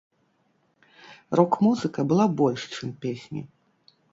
Рок-музыка была больш чым песні.